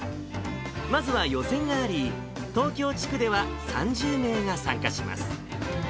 まずは予選があり、東京地区では３０名が参加します。